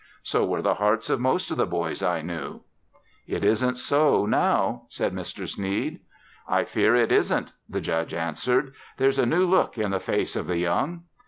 So were the hearts of most of the boys I knew." "It isn't so now," said Mr. Sneed. "I fear it isn't," the Judge answered. "There's a new look in the faces of the young.